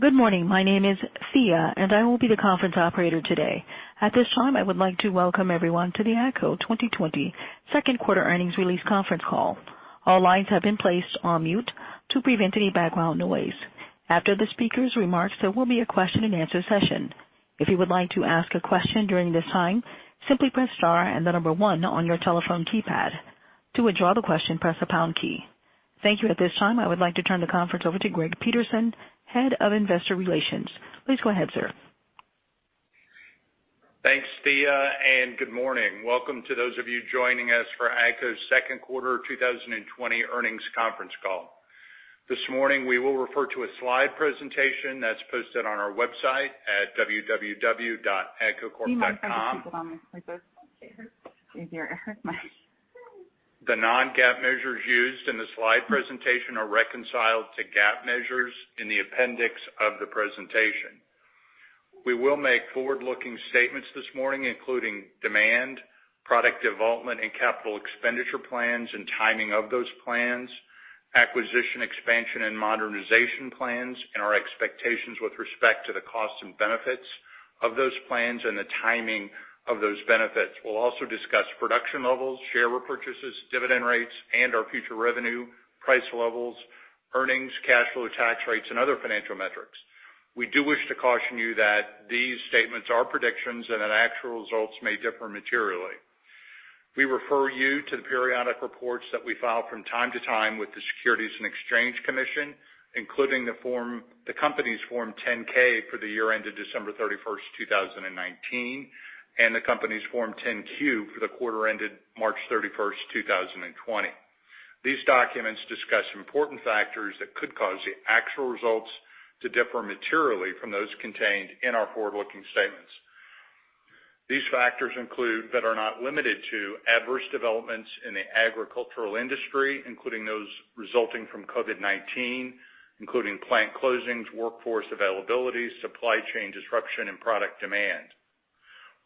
Good morning. My name is Thea, and I will be the conference operator today. At this time, I would like to welcome everyone to the AGCO 2020 second quarter earnings release conference call. All lines have been placed on mute to prevent any background noise. After the speaker's remarks, there will be a question-and-answer session. If you would like to ask a question during this time, simply press star and the number one on your telephone keypad. To withdraw the question, press the pound key. Thank you. At this time, I would like to turn the conference over to Greg Peterson, Head of Investor Relations. Please go ahead, sir. Thanks, Thea. Good morning. Welcome to those of you joining us for AGCO's second quarter 2020 earnings conference call. This morning, we will refer to a slide presentation that's posted on our website at www.agcocorp.com. The non-GAAP measures used in the slide presentation are reconciled to GAAP measures in the appendix of the presentation. We will make forward-looking statements this morning including demand, product development, and capital expenditure plans and timing of those plans, acquisition expansion and modernization plans, and our expectations with respect to the costs and benefits of those plans and the timing of those benefits. We'll also discuss production levels, share repurchases, dividend rates, and our future revenue, price levels, earnings, cash flow, tax rates, and other financial metrics. We do wish to caution you that these statements are predictions and that actual results may differ materially. We refer you to the periodic reports that we file from time to time with the Securities and Exchange Commission, including the company's Form 10-K for the year ended December 31, 2019, and the company's Form 10-Q for the quarter ended March 31, 2020. These documents discuss important factors that could cause the actual results to differ materially from those contained in our forward-looking statements. These factors include, but are not limited to, adverse developments in the agricultural industry, including those resulting from COVID-19, including plant closings, workforce availability, supply chain disruption, and product demand.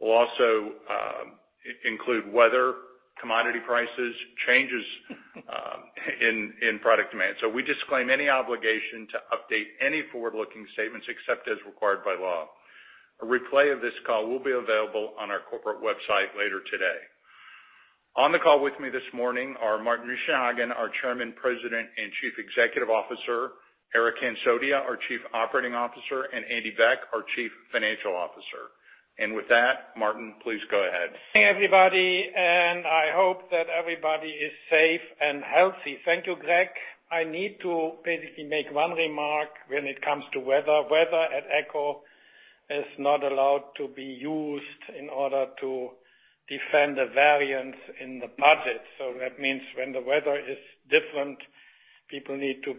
We'll also include weather, commodity prices, changes in product demand. We disclaim any obligation to update any forward-looking statements except as required by law. A replay of this call will be available on our corporate website later today. On the call with me this morning are Martin Richenhagen, our Chairman, President, and Chief Executive Officer, Eric Hansotia, our Chief Operating Officer, and Andy Beck, our Chief Financial Officer. With that, Martin, please go ahead. Hey, everybody, I hope that everybody is safe and healthy. Thank you, Greg. I need to basically make one remark when it comes to weather. Weather at AGCO is not allowed to be used in order to defend a variance in the budget. That means when the weather is different, people need to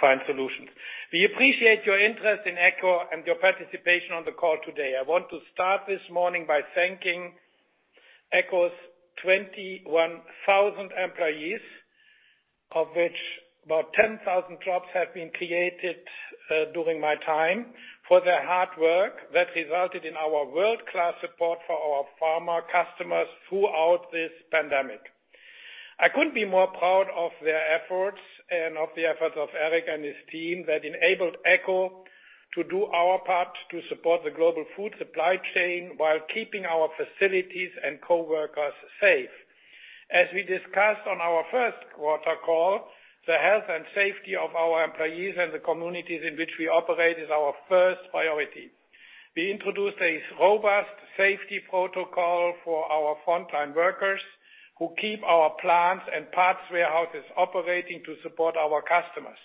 find solutions. We appreciate your interest in AGCO and your participation on the call today. I want to start this morning by thanking AGCO's 21,000 employees, of which about 10,000 jobs have been created during my time, for their hard work that resulted in our world-class support for our farmer customers throughout this pandemic. I couldn't be more proud of their efforts and of the efforts of Eric and his team that enabled AGCO to do our part to support the global food supply chain while keeping our facilities and coworkers safe. As we discussed on our first quarter call, the health and safety of our employees and the communities in which we operate is our first priority. We introduced a robust safety protocol for our full-time workers who keep our plants and parts warehouses operating to support our customers.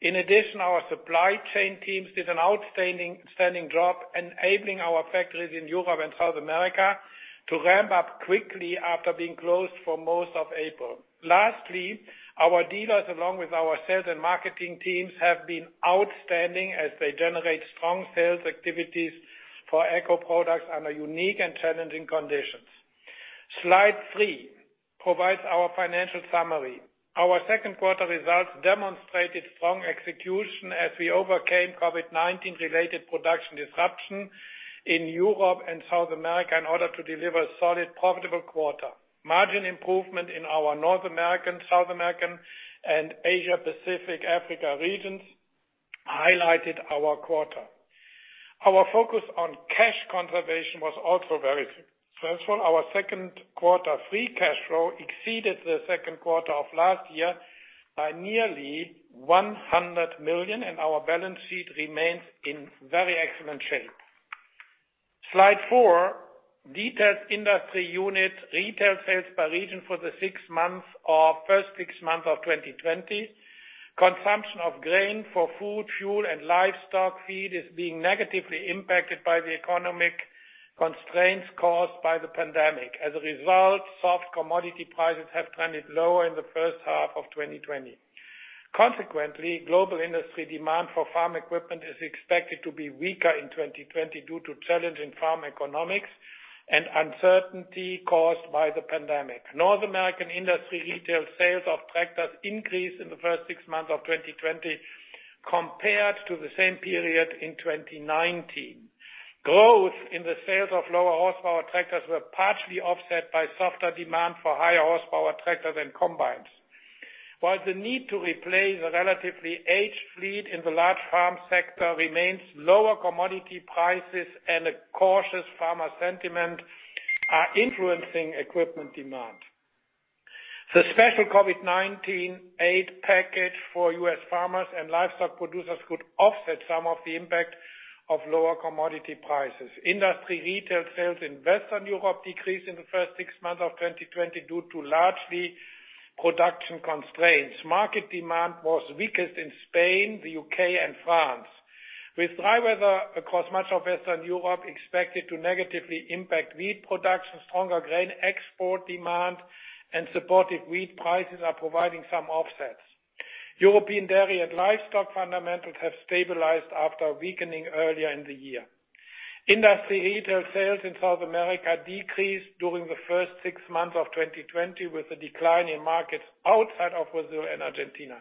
In addition, our supply chain teams did an outstanding job enabling our factories in Europe and South America to ramp up quickly after being closed for most of April. Lastly, our dealers along with our sales and marketing teams have been outstanding as they generate strong sales activities for AGCO products under unique and challenging conditions. Slide 3 provides our financial summary. Our second quarter results demonstrated strong execution as we overcame COVID-19 related production disruption in Europe and South America in order to deliver a solid profitable quarter. Margin improvement in our North American, South American, and Asia Pacific Africa regions highlighted our quarter. Our focus on cash conservation was also very successful. Our second quarter free cash flow exceeded the second quarter of last year by nearly $100 million, and our balance sheet remains in very excellent shape. Slide 4 details industry unit retail sales by region for the first six months of 2020. Consumption of grain for food, fuel, and livestock feed is being negatively impacted by the economic constraints caused by the pandemic. As a result, soft commodity prices have trended lower in the first half of 2020. Consequently, global industry demand for farm equipment is expected to be weaker in 2020 due to challenging farm economics and uncertainty caused by the pandemic. North American Industry retail sales of tractors increased in the first six months of 2020 compared to the same period in 2019. Growth in the sales of lower horsepower tractors were partially offset by softer demand for higher horsepower tractors and combines. While the need to replace a relatively aged fleet in the large farm sector remains, lower commodity prices and a cautious farmer sentiment are influencing equipment demand. The special COVID-19 aid package for U.S. farmers and livestock producers could offset some of the impact of lower commodity prices. Industry retail sales in Western Europe decreased in the first six months of 2020 due to largely production constraints. Market demand was weakest in Spain, the U.K., and France. With dry weather across much of Eastern Europe expected to negatively impact wheat production, stronger grain export demand and supportive wheat prices are providing some offsets. European dairy and livestock fundamentals have stabilized after weakening earlier in the year. Industry retail sales in South America decreased during the first six months of 2020, with a decline in markets outside of Brazil and Argentina.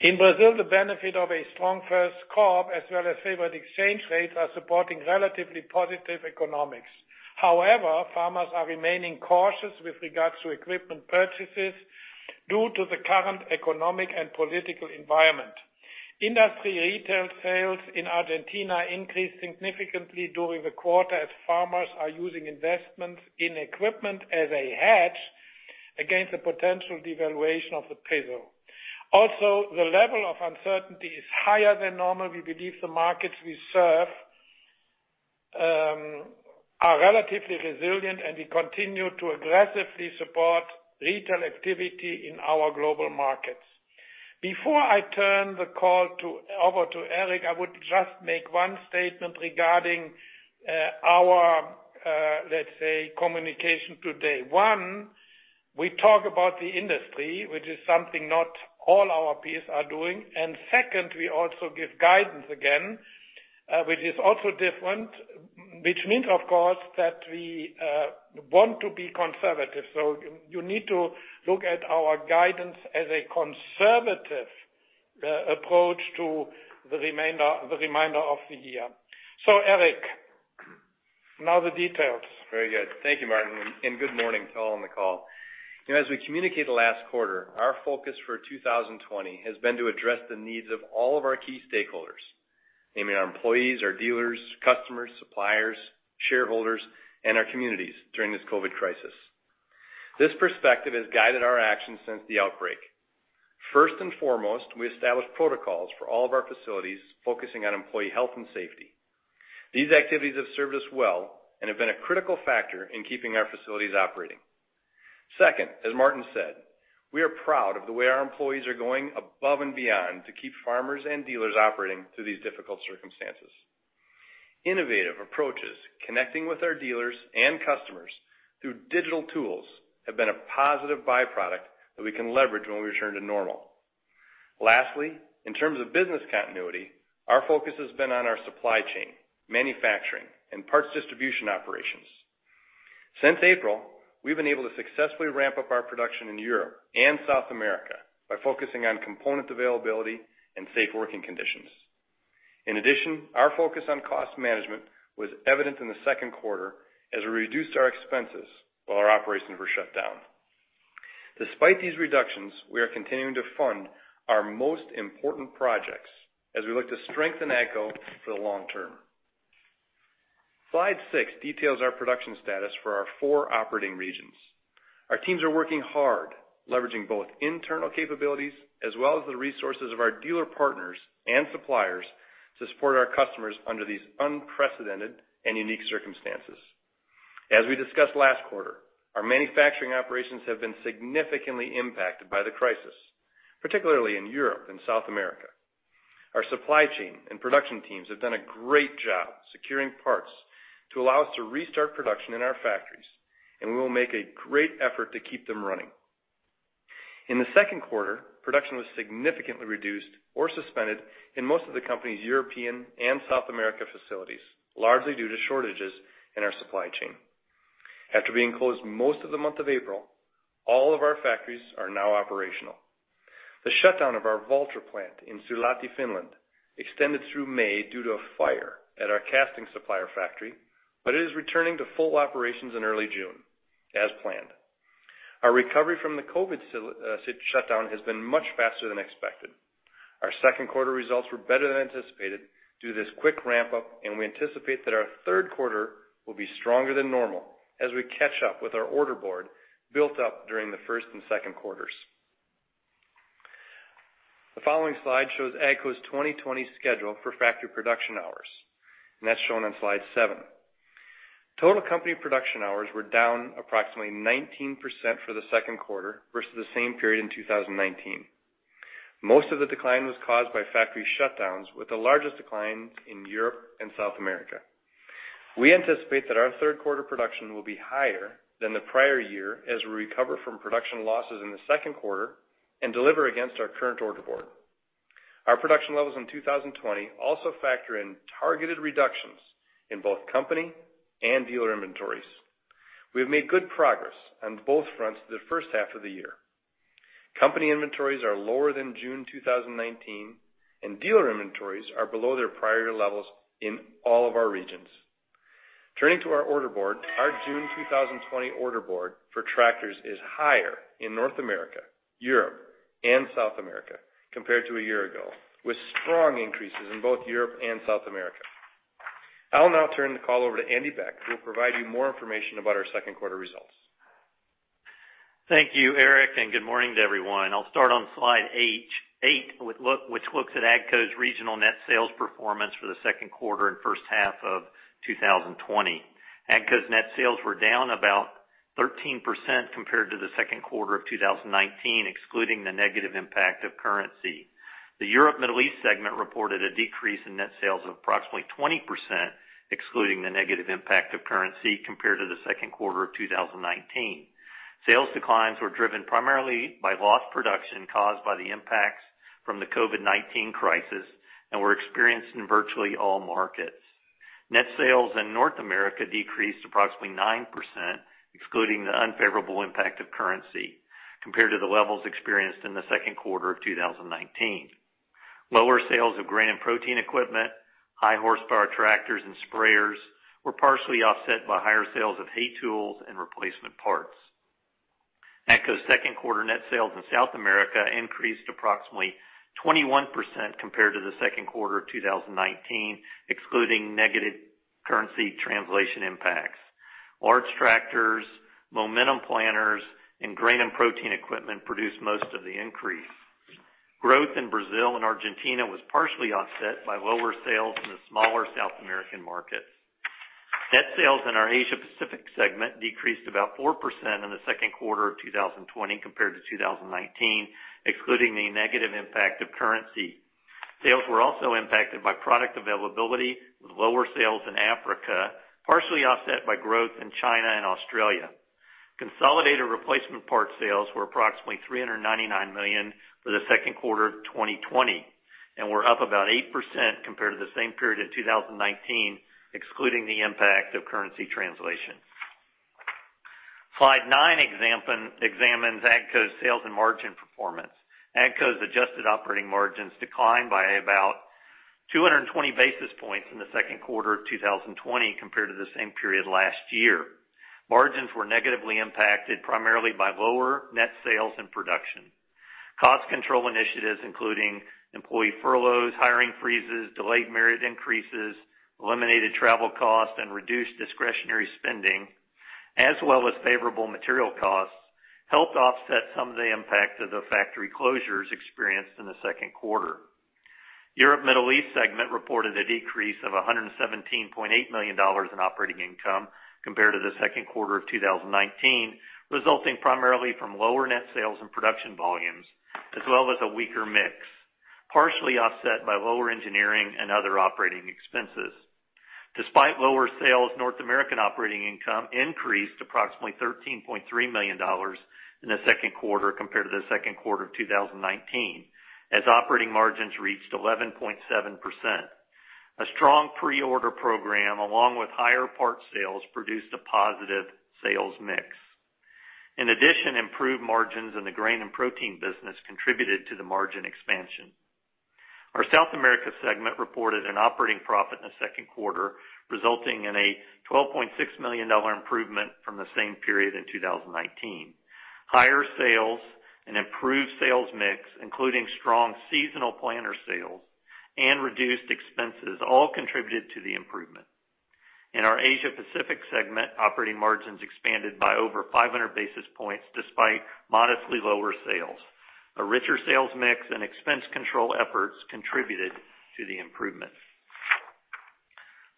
In Brazil, the benefit of a strong first crop as well as favored exchange rates are supporting relatively positive economics. However, farmers are remaining cautious with regards to equipment purchases due to the current economic and political environment. Industry retail sales in Argentina increased significantly during the quarter as farmers are using investments in equipment as a hedge against the potential devaluation of the peso. The level of uncertainty is higher than normal. We believe the markets we serve are relatively resilient, and we continue to aggressively support retail activity in our global markets. Before I turn the call over to Eric, I would just make one statement regarding our, let's say, communication today. One, we talk about the industry, which is something not all our peers are doing. Second, we also give guidance again, which is also different. Which means, of course, that we want to be conservative. You need to look at our guidance as a conservative approach to the remainder of the year. Eric, now the details. Very good. Thank you, Martin, and good morning to all on the call. As we communicated last quarter, our focus for 2020 has been to address the needs of all of our key stakeholders, namely our employees, our dealers, customers, suppliers, shareholders, and our communities during this COVID crisis. This perspective has guided our actions since the outbreak. First and foremost, we established protocols for all of our facilities focusing on employee health and safety. These activities have served us well and have been a critical factor in keeping our facilities operating. Second, as Martin said, we are proud of the way our employees are going above and beyond to keep farmers and dealers operating through these difficult circumstances. Innovative approaches, connecting with our dealers and customers through digital tools have been a positive by-product that we can leverage when we return to normal. Lastly, in terms of business continuity, our focus has been on our supply chain, manufacturing, and parts distribution operations. Since April, we've been able to successfully ramp up our production in Europe and South America by focusing on component availability and safe working conditions. Our focus on cost management was evident in the second quarter as we reduced our expenses while our operations were shut down. Despite these reductions, we are continuing to fund our most important projects as we look to strengthen AGCO for the long term. Slide 6 details our production status for our four operating regions. Our teams are working hard, leveraging both internal capabilities as well as the resources of our dealer partners and suppliers to support our customers under these unprecedented and unique circumstances. As we discussed last quarter, our manufacturing operations have been significantly impacted by the crisis, particularly in Europe and South America. Our supply chain and production teams have done a great job securing parts to allow us to restart production in our factories, and we will make a great effort to keep them running. In the second quarter, production was significantly reduced or suspended in most of the company's European and South America facilities, largely due to shortages in our supply chain. After being closed most of the month of April, all of our factories are now operational. The shutdown of our Valtra plant in Suolahti, Finland, extended through May due to a fire at our casting supplier factory, but it is returning to full operations in early June as planned. Our recovery from the COVID shutdown has been much faster than expected. Our second quarter results were better than anticipated due to this quick ramp-up, and we anticipate that our third quarter will be stronger than normal as we catch up with our order board built up during the first and second quarters. The following slide shows AGCO's 2020 schedule for factory production hours, and that's shown on slide 7. Total company production hours were down approximately 19% for the second quarter versus the same period in 2019. Most of the decline was caused by factory shutdowns, with the largest decline in Europe and South America. We anticipate that our third quarter production will be higher than the prior year as we recover from production losses in the second quarter and deliver against our current order board. Our production levels in 2020 also factor in targeted reductions in both company and dealer inventories. We have made good progress on both fronts the first half of the year. Company inventories are lower than June 2019, and dealer inventories are below their prior year levels in all of our regions. Turning to our order board, our June 2020 order board for tractors is higher in North America, Europe, and South America compared to a year ago, with strong increases in both Europe and South America. I'll now turn the call over to Andy Beck, who will provide you more information about our second quarter results. Thank you, Eric. Good morning to everyone. I'll start on slide 8, which looks at AGCO's regional net sales performance for the second quarter and first half of 2020. AGCO's net sales were down about 13% compared to the second quarter of 2019, excluding the negative impact of currency. The Europe Middle East segment reported a decrease in net sales of approximately 20%, excluding the negative impact of currency compared to the second quarter of 2019. Sales declines were driven primarily by lost production caused by the impacts from the COVID-19 crisis and were experienced in virtually all markets. Net sales in North America decreased approximately 9%, excluding the unfavorable impact of currency, compared to the levels experienced in the second quarter of 2019. Lower sales of grain and protein equipment, high horsepower tractors, and sprayers were partially offset by higher sales of hay tools and replacement parts. AGCO's second quarter net sales in South America increased approximately 21% compared to the second quarter of 2019, excluding negative currency translation impacts. Large tractors, Momentum planters, and grain and protein equipment produced most of the increase. Growth in Brazil and Argentina was partially offset by lower sales in the smaller South American markets. Net sales in our Asia Pacific segment decreased about 4% in the second quarter of 2020 compared to 2019, excluding the negative impact of currency. Sales were also impacted by product availability, with lower sales in Africa partially offset by growth in China and Australia. Consolidated replacement parts sales were approximately $399 million for the second quarter 2020 and were up about 8% compared to the same period in 2019, excluding the impact of currency translation. Slide 9 examines AGCO's sales and margin performance. AGCO's adjusted operating margins declined by about 220 basis points in the second quarter of 2020 compared to the same period last year. Margins were negatively impacted primarily by lower net sales and production. Cost control initiatives, including employee furloughs, hiring freezes, delayed merit increases, eliminated travel costs, and reduced discretionary spending, as well as favorable material costs, helped offset some of the impact of the factory closures experienced in the second quarter. Europe Middle East segment reported a decrease of $117.8 million in operating income compared to the second quarter of 2019, resulting primarily from lower net sales and production volumes, as well as a weaker mix, partially offset by lower engineering and other operating expenses. Despite lower sales, North American operating income increased approximately $13.3 million in the second quarter compared to the second quarter of 2019, as operating margins reached 11.7%. A strong pre-order program, along with higher parts sales, produced a positive sales mix. In addition, improved margins in the Grain and Protein business contributed to the margin expansion. Our South America Segment reported an operating profit in the second quarter, resulting in a $12.6 million improvement from the same period in 2019. Higher sales and improved sales mix, including strong seasonal planter sales and reduced expenses, all contributed to the improvement. In our Asia Pacific Segment, operating margins expanded by over 500 basis points despite modestly lower sales. A richer sales mix and expense control efforts contributed to the improvements.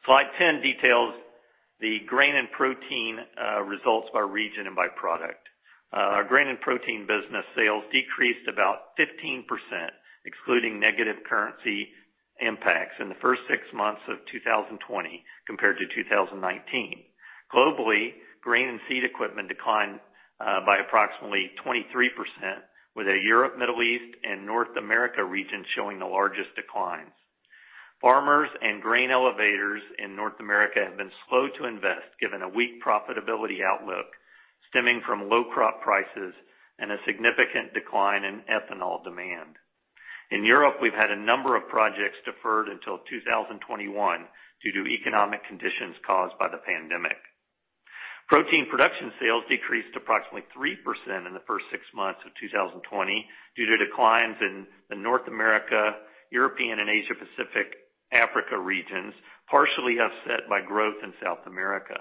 Slide 10 details the Grain and Protein results by region and by product. Our Grain and Protein business sales decreased about 15%, excluding negative currency impacts in the first six months of 2020 compared to 2019. Globally, grain and seed equipment declined by approximately 23%, with the Europe, Middle East, and North America regions showing the largest declines. Farmers and grain elevators in North America have been slow to invest, given a weak profitability outlook stemming from low crop prices and a significant decline in ethanol demand. In Europe, we've had a number of projects deferred until 2021 due to economic conditions caused by the pandemic. Protein production sales decreased approximately 3% in the first six months of 2020 due to declines in the North America, European, and Asia Pacific Africa regions, partially offset by growth in South America.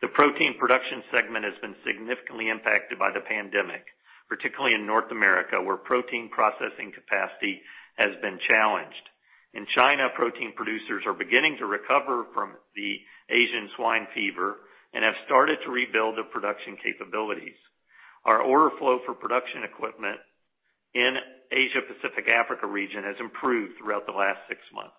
The protein production segment has been significantly impacted by the pandemic, particularly in North America, where protein processing capacity has been challenged. In China, protein producers are beginning to recover from the African swine fever and have started to rebuild their production capabilities. Our order flow for production equipment in Asia Pacific Africa region has improved throughout the last six months.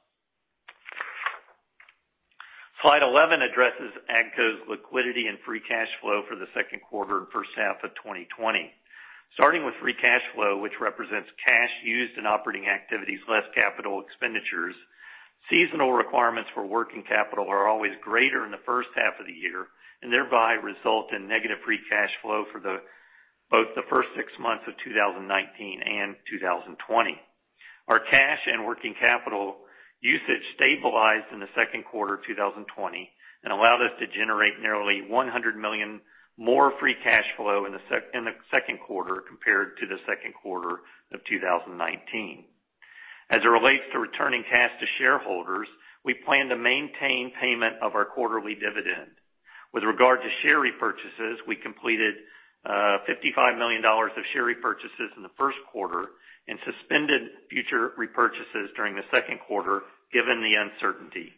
Slide 11 addresses AGCO's liquidity and free cash flow for the second quarter and first half of 2020. Starting with free cash flow, which represents cash used in operating activities less capital expenditures. Seasonal requirements for working capital are always greater in the first half of the year and thereby result in negative free cash flow for both the first six months of 2019 and 2020. Our cash and working capital usage stabilized in the second quarter 2020 and allowed us to generate nearly $100 million more free cash flow in the second quarter compared to the second quarter of 2019. As it relates to returning cash to shareholders, we plan to maintain payment of our quarterly dividend. With regard to share repurchases, we completed $55 million of share repurchases in the first quarter and suspended future repurchases during the second quarter, given the uncertainty.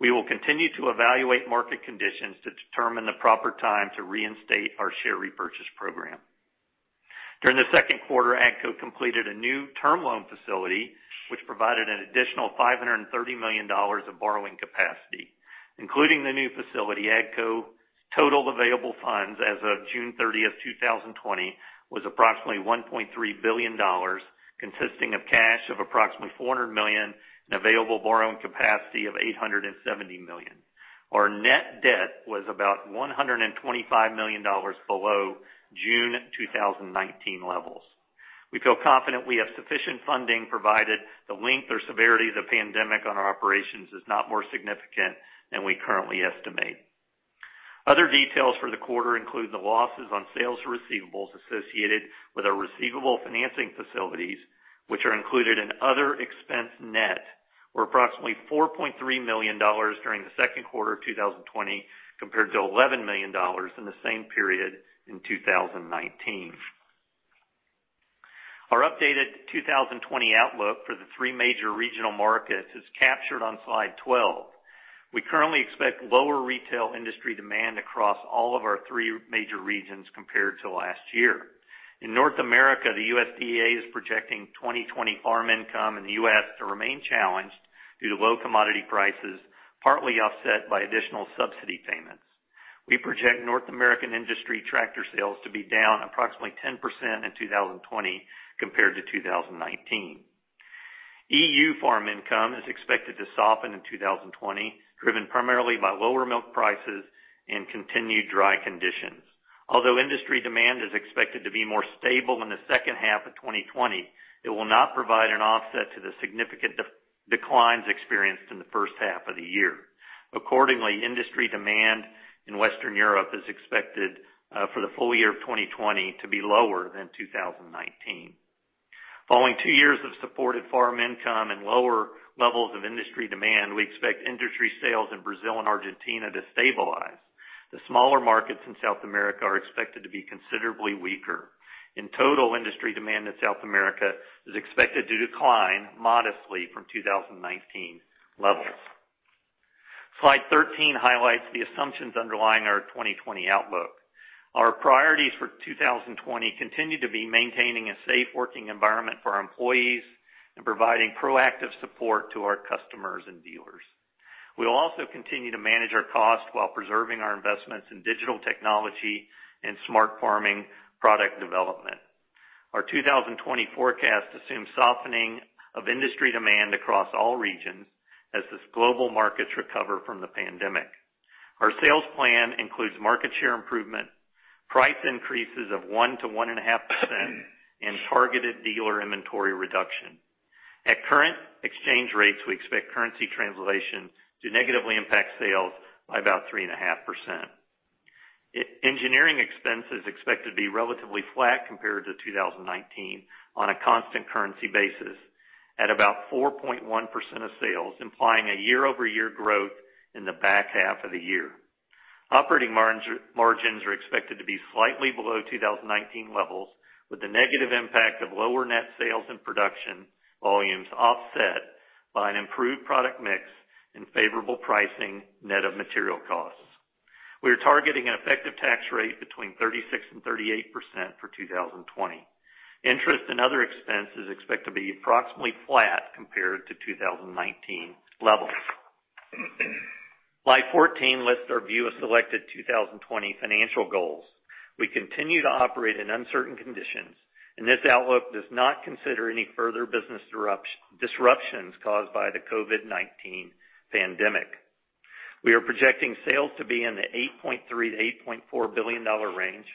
We will continue to evaluate market conditions to determine the proper time to reinstate our share repurchase program. During the second quarter, AGCO completed a new term loan facility, which provided an additional $530 million of borrowing capacity. Including the new facility, AGCO total available funds as of June 30, 2020 was approximately $1.3 billion, consisting of cash of approximately $400 million and available borrowing capacity of $870 million. Our net debt was about $125 million below June 2019 levels. We feel confident we have sufficient funding provided the length or severity of the pandemic on our operations is not more significant than we currently estimate. Other details for the quarter include the losses on sales receivables associated with our receivable financing facilities, which are included in other expense net, were approximately $4.3 million during the second quarter 2020 compared to $11 million in the same period in 2019. Our updated 2020 outlook for the three major regional markets is captured on slide 12. We currently expect lower retail industry demand across all of our three major regions compared to last year. In North America, the USDA is projecting 2020 farm income in the U.S. to remain challenged due to low commodity prices, partly offset by additional subsidy payments. We project North American industry tractor sales to be down approximately 10% in 2020 compared to 2019. E.U. farm income is expected to soften in 2020, driven primarily by lower milk prices and continued dry conditions. Although industry demand is expected to be more stable in the second half of 2020, it will not provide an offset to the significant declines experienced in the first half of the year. Accordingly, industry demand in Western Europe is expected for the full year of 2020 to be lower than 2019. Following two years of supported farm income and lower levels of industry demand, we expect industry sales in Brazil and Argentina to stabilize. The smaller markets in South America are expected to to be considerably weaker. In total, industry demand in South America is expected to decline modestly from 2019 levels. Slide 13 highlights the assumptions underlying our 2020 outlook. Our priorities for 2020 continue to be maintaining a safe working environment for our employees and providing proactive support to our customers and dealers. We will also continue to manage our cost while preserving our investments in digital technology and smart farming product development. Our 2020 forecast assumes softening of industry demand across all regions as these global markets recover from the pandemic. Our sales plan includes market share improvement, price increases of 1%-1.5%, and targeted dealer inventory reduction. At current exchange rates, we expect currency translation to negatively impact sales by about 3.5%. Engineering expense is expected to be relatively flat compared to 2019 on a constant currency basis at about 4.1% of sales, implying a year-over-year growth in the back half of the year. Operating margins are expected to be slightly below 2019 levels, with the negative impact of lower net sales and production volumes offset by an improved product mix and favorable pricing net of material costs. We are targeting an effective tax rate between 36% and 38% for 2020. Interest and other expenses expect to be approximately flat compared to 2019 levels. Slide 14 lists our view of selected 2020 financial goals. We continue to operate in uncertain conditions, and this outlook does not consider any further business disruptions caused by the COVID-19 pandemic. We are projecting sales to be in the $8.3-$8.4 billion range,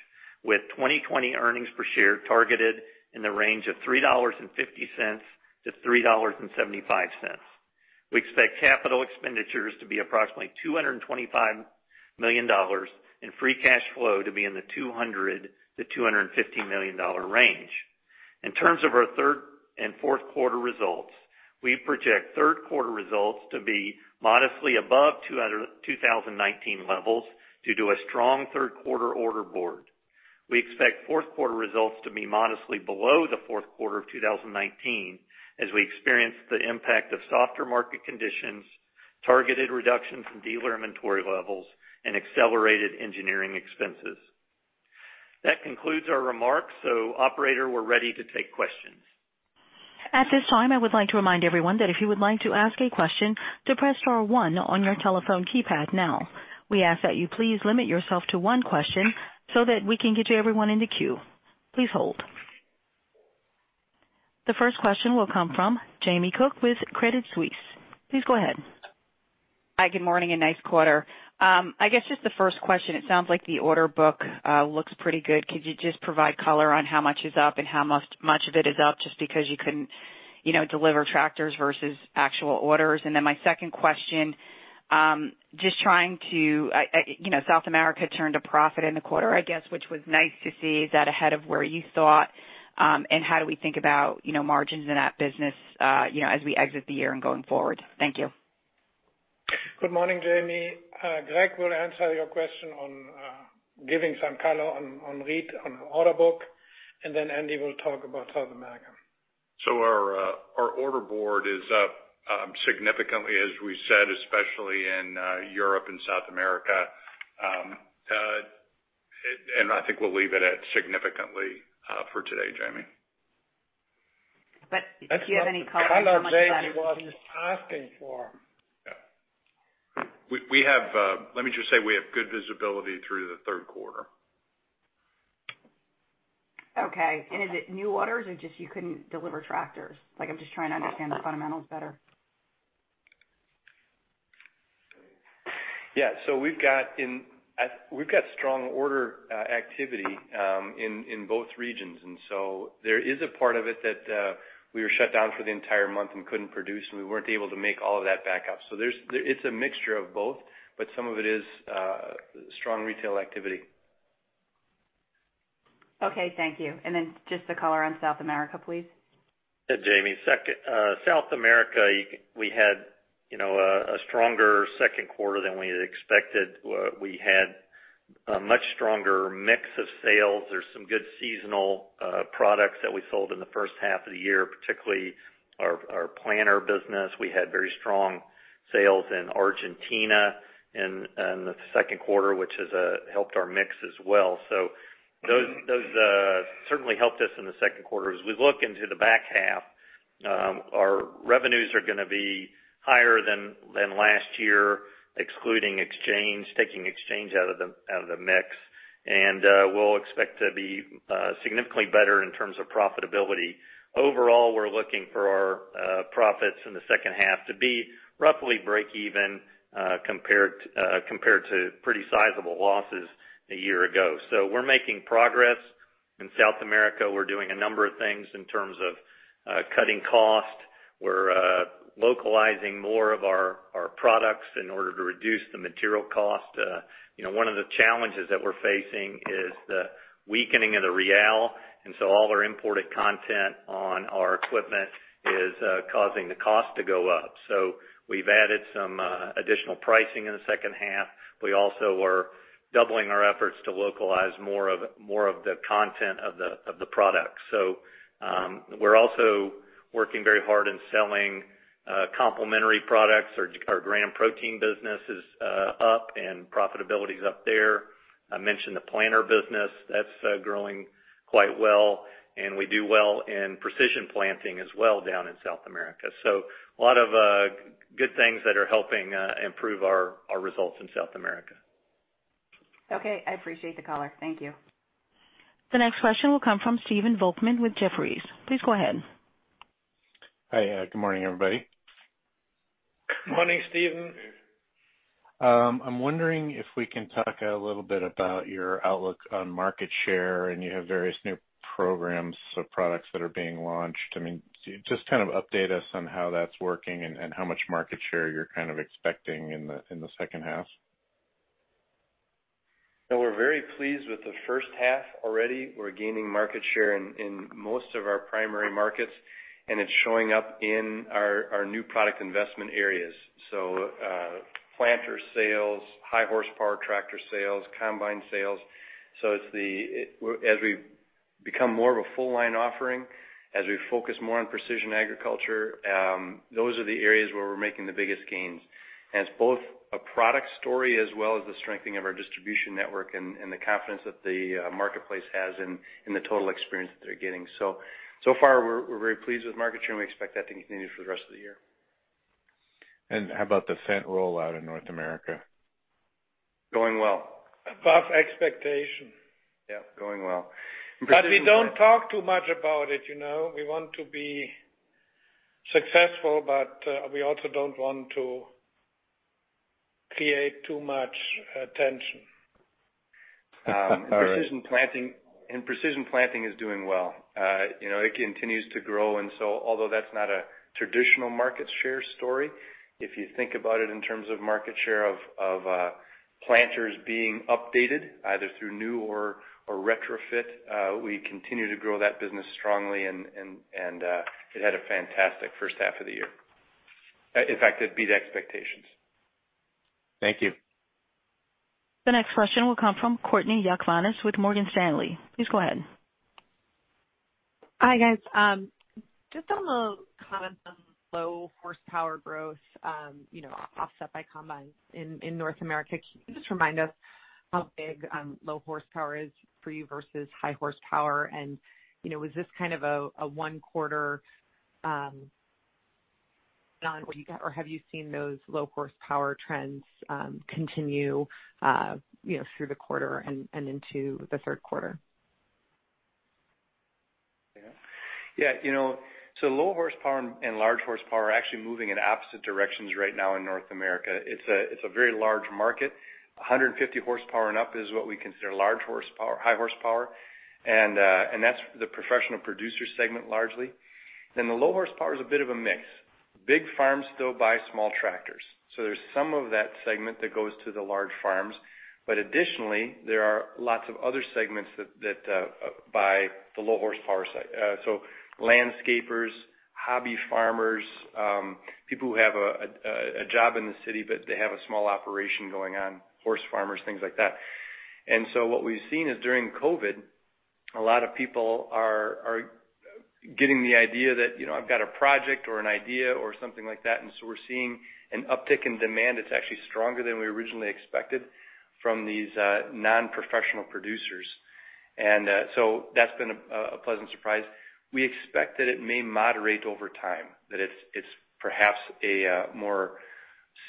with 2020 earnings per share targeted in the range of $3.50-$3.75. We expect capital expenditures to be approximately $225 million and free cash flow to be in the $200-$250 million range. In terms of our third and fourth quarter results, we project third quarter results to be modestly above 2019 levels due to a strong third quarter order board. We expect fourth quarter results to be modestly below the fourth quarter of 2019 as we experience the impact of softer market conditions, targeted reductions in dealer inventory levels, and accelerated engineering expenses. That concludes our remarks. operator, we're ready to take questions. At this time, I would like to remind everyone that if you would like to ask a question to press star one on your telephone keypad now. We ask that you please limit yourself to one question so that we can get to everyone in the queue. Please hold. The first question will come from Jamie Cook with Credit Suisse. Please go ahead. Hi, good morning and nice quarter. I guess just the first question, it sounds like the order book looks pretty good. Could you just provide color on how much is up and how much of it is up just because you couldn't deliver tractors versus actual orders? My second question, South America turned a profit in the quarter, I guess, which was nice to see. Is that ahead of where you thought? How do we think about margins in that business as we exit the year and going forward? Thank you. Good morning, Jamie. Greg will answer your question on giving some color on read on the order book, and then Andy will talk about South America. Our order board is up significantly, as we said, especially in Europe and South America. I think we'll leave it at significantly for today, Jamie. Do you have any comments on how much- That's not the color Jamie was asking for. Yeah. Let me just say we have good visibility through the third quarter. Okay. Is it new orders or just you couldn't deliver tractors? I'm just trying to understand the fundamentals better. Yeah, we've got strong order activity in both regions. There is a part of it that we were shut down for the entire month and couldn't produce, and we weren't able to make all of that back up. It's a mixture of both, but some of it is strong retail activity. Okay, thank you. just the color on South America, please. Jamie, South America, we had a stronger second quarter than we had expected. We had a much stronger mix of sales. There's some good seasonal products that we sold in the first half of the year, particularly our planter business. We had very strong sales in Argentina in the second quarter, which has helped our mix as well. Those certainly helped us in the second quarter. As we look into the back half, our revenues are going to be higher than last year, excluding exchange, taking exchange out of the mix. We'll expect to be significantly better in terms of profitability. Overall, we're looking for our profits in the second half to be roughly break even compared to pretty sizable losses a year ago. We're making progress in South America. We're doing a number of things in terms of cutting cost. We're localizing more of our products in order to reduce the material cost. One of the challenges that we're facing is the weakening of the real, and so all of our imported content on our equipment is causing the cost to go up. We've added some additional pricing in the second half. We also are doubling our efforts to localize more of the content of the product. We're also working very hard in selling complementary products. Our grain and protein business is up and profitability's up there. I mentioned the planter business. That's growing quite well, and we do well in Precision Planting as well down in South America. A lot of good things that are helping improve our results in South America. Okay. I appreciate the color. Thank you. The next question will come from Stephen Volkmann with Jefferies. Please go ahead. Hi. Good morning, everybody. Good morning, Stephen. I'm wondering if we can talk a little bit about your outlook on market share, and you have various new programs, so products that are being launched. Can you just update us on how that's working and how much market share you're expecting in the second half? we're very pleased with the first half already. We're gaining market share in most of our primary markets, and it's showing up in our new product investment areas. planter sales, high horsepower tractor sales, combine sales. As we become more of a full line offering, as we focus more on precision agriculture, those are the areas where we're making the biggest gains. it's both a product story as well as the strengthening of our distribution network and the confidence that the marketplace has in the total experience that they're getting. so far we're very pleased with market share, and we expect that to continue for the rest of the year. How about the Fendt rollout in North America? Going well. Above expectation. Yeah, going well. We don't talk too much about it. We want to be successful, but we also don't want to create too much attention. All right. Precision Planting is doing well. It continues to grow. Although that's not a traditional market share story, if you think about it in terms of market share of planters being updated, either through new or retrofit, we continue to grow that business strongly and it had a fantastic first half of the year. In fact, it beat expectations. Thank you. The next question will come from Courtney Yakavonis with Morgan Stanley. Please go ahead. Hi, guys. Just on the comment on low horsepower growth offset by combines in North America, can you just remind us how big low horsepower is for you versus high horsepower? Was this kind of a one quarter or have you seen those low horsepower trends continue through the quarter and into the third quarter? Yeah. low horsepower and large horsepower are actually moving in opposite directions right now in North America. It's a very large market. 150 horsepower and up is what we consider large horsepower, high horsepower. That's the professional producer segment largely. The low horsepower is a bit of a mix. Big farms still buy small tractors. There's some of that segment that goes to the large farms. Additionally, there are lots of other segments that buy the low horsepower side. Landscapers, hobby farmers, people who have a job in the city, but they have a small operation going on, horse farmers, things like that. what we've seen is during COVID, a lot of people are getting the idea that I've got a project or an idea or something like that, and so we're seeing an uptick in demand that's actually stronger than we originally expected from these non-professional producers. that's been a pleasant surprise. We expect that it may moderate over time, that it's perhaps a more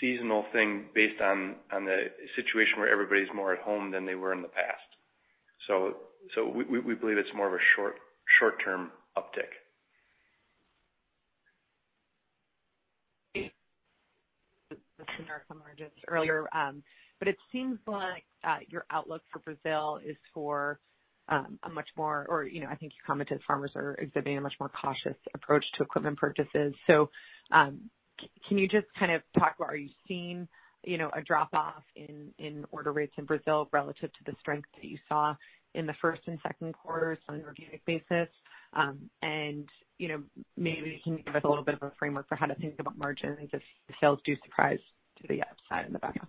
seasonal thing based on the situation where everybody's more at home than they were in the past. We believe it's more of a short-term uptick. It seems like your outlook for Brazil is for a much more, or I think you commented farmers are exhibiting a much more cautious approach to equipment purchases. can you just kind of talk about, are you seeing a drop off in order rates in Brazil relative to the strength that you saw in the first and second quarters on a year-over-year basis? Maybe can you give us a little bit of a framework for how to think about margins if sales do surprise to the upside in the back half?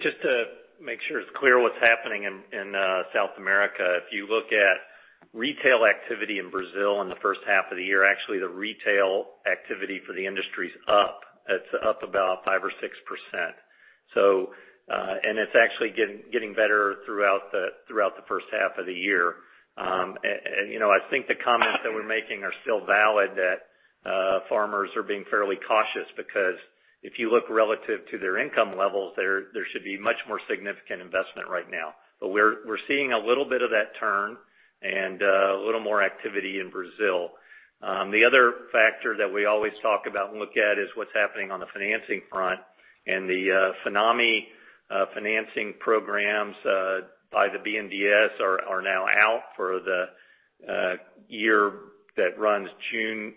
Just to make sure it's clear what's happening in South America. If you look at retail activity in Brazil in the first half of the year, actually, the retail activity for the industry is up. It's up about 5% or 6%. It's actually getting better throughout the first half of the year. I think the comments that we're making are still valid that farmers are being fairly cautious because if you look relative to their income levels, there should be much more significant investment right now. We're seeing a little bit of that turn and a little more activity in Brazil. The other factor that we always talk about and look at is what's happening on the financing front and the FINAME financing programs by the BNDES are now out for the year that runs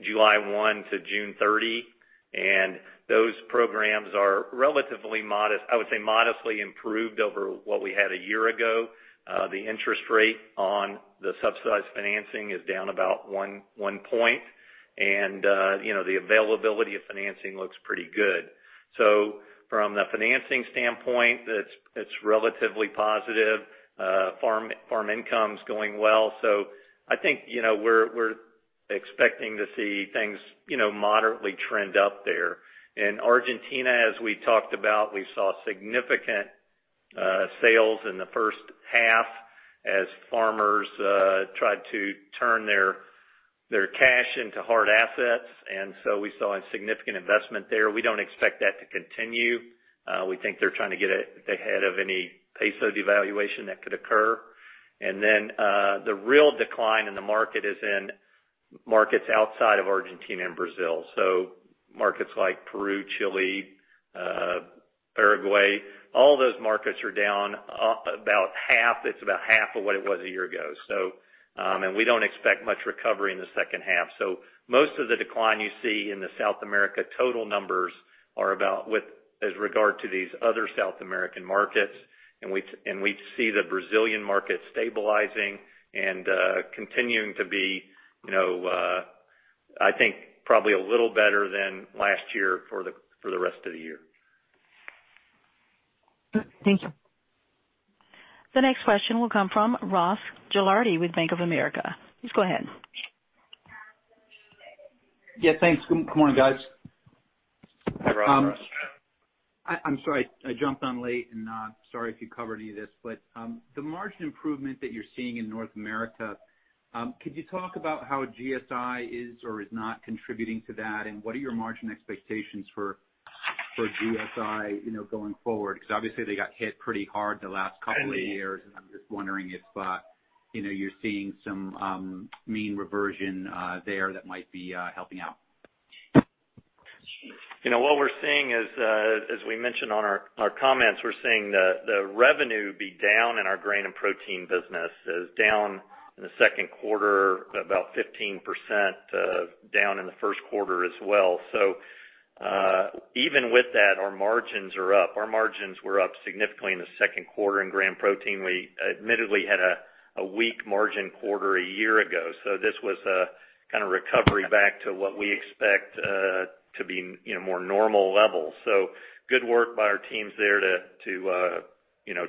July 1-June 30, and those programs are relatively modest, I would say modestly improved over what we had a year ago. The interest rate on the subsidized financing is down about one point. The availability of financing looks pretty good. From the financing standpoint, it's relatively positive. Farm income's going well. I think we're expecting to see things moderately trend up there. In Argentina, as we talked about, we saw significant sales in the first half as farmers tried to turn their cash into hard assets, and so we saw a significant investment there. We don't expect that to continue. We think they're trying to get ahead of any peso devaluation that could occur. The real decline in the market is in markets outside of Argentina and Brazil. Markets like Peru, Chile, Uruguay, all those markets are down about half. It's about half of what it was a year ago. We don't expect much recovery in the second half. Most of the decline you see in the South America total numbers are about with regard to these other South American markets, and we see the Brazilian market stabilizing and continuing to be I think probably a little better than last year for the rest of the year. Thank you. The next question will come from Ross Gilardi with Bank of America. Please go ahead. Yeah, thanks. Good morning, guys. Hi, Ross. I'm sorry I jumped on late and sorry if you covered any of this. The margin improvement that you're seeing in North America, could you talk about how GSI is or is not contributing to that and what are your margin expectations for GSI going forward? Because obviously they got hit pretty hard the last couple of years, and I'm just wondering if you're seeing some mean reversion there that might be helping out. What we're seeing is as we mentioned on our comments, we're seeing the revenue be down in our grain and protein business, is down in the second quarter about 15%, down in the first quarter as well. even with that, our margins are up. Our margins were up significantly in the second quarter in grain and protein. We admittedly had a weak margin quarter a year ago. this was a kind of recovery back to what we expect to be more normal levels. good work by our teams there to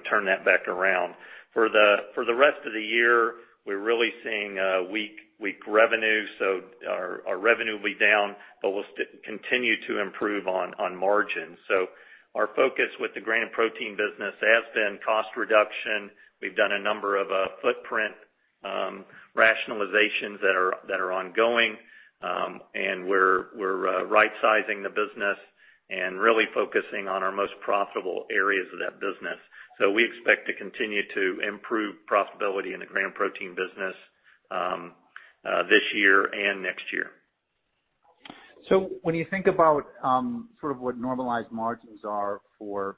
turn that back around. For the rest of the year, we're really seeing weak revenue. our revenue will be down, but we'll continue to improve on margins. our focus with the grain and protein business has been cost reduction. We've done a number of footprint rationalizations that are ongoing, and we're right-sizing the business and really focusing on our most profitable areas of that business. We expect to continue to improve profitability in the grain-protein business this year and next year. when you think about sort of what normalized margins are for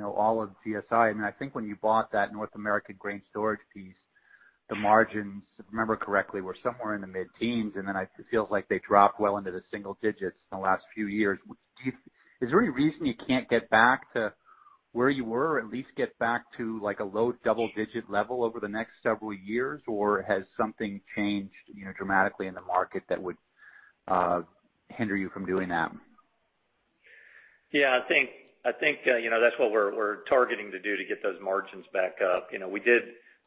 all of GSI, and I think when you bought that North American grain storage piece, the margins, if I remember correctly, were somewhere in the mid-teens, and then it feels like they dropped well into the single digits in the last few years. Is there any reason you can't get back to where you were, or at least get back to a low double-digit level over the next several years? has something changed dramatically in the market that would hinder you from doing that? Yeah, I think that's what we're targeting to do to get those margins back up.